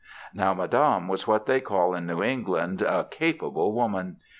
Now Madame was what they call in New England a "capable" woman.